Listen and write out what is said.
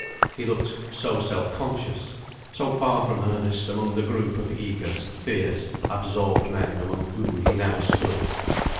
He looked so self conscious, so far from earnest, among the group of eager, fierce, absorbed men, among whom he now stood.